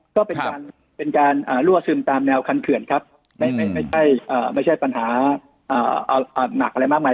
ก็เป็นการรั่วซึมตามแนวคันเขื่อนครับไม่ใช่ปัญหาหนักอะไรมากมาย